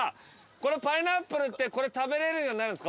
このパイナップルって食べれるようになるんすか？